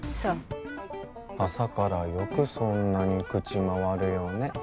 そう朝からよくそんなに口回るよね